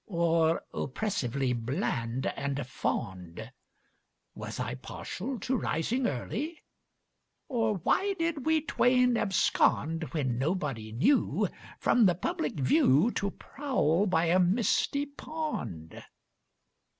Or oppressively bland and fond? Was I partial to rising early? Or why did we twain abscond, When nobody knew, from the public view To prowl by a misty pond?